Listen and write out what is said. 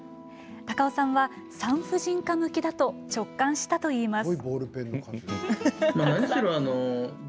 高尾さんは産婦人科向きだと直感したといいます。